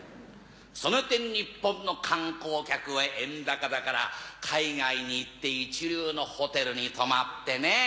その点日本の観光客は円高だから海外に行って一流のホテルに泊まってね。